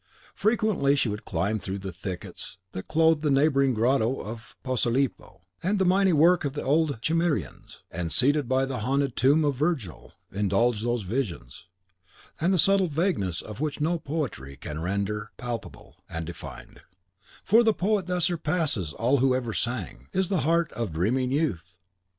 Frequently she would climb through the thickets that clothed the neighbouring grotto of Posilipo, the mighty work of the old Cimmerians, and, seated by the haunted Tomb of Virgil, indulge those visions, the subtle vagueness of which no poetry can render palpable and defined; for the Poet that surpasses all who ever sang, is the heart of dreaming youth!